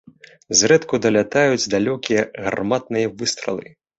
Зрэдку далятаюць далёкія гарматныя выстралы.